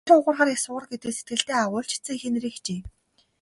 Нэр хугарахаар яс хугар гэдгийг сэтгэлдээ агуулж эцэг эхийн нэрийг хичээе.